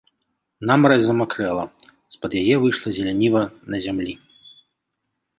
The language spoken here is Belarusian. Намаразь замакрэла, з-пад яе выйшла зяленіва на зямлі.